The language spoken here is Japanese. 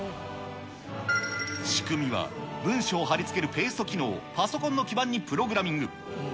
仕組みは文章を貼り付けるペースト機能を、パソコンの基板にプログラミング。